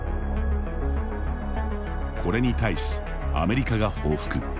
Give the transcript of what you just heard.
これに対し、アメリカが報復。